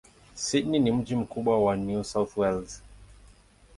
Sydney ni mji mkubwa wa New South Wales.